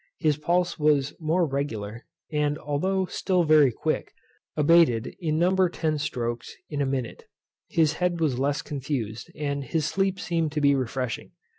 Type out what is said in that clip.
His pulse was more regular, and although still very quick, abated in number ten strokes in a minute. His head was less confused, and his sleep seemed to be refreshing.